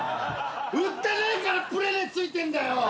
売ってねえからプレ値ついてんだよ！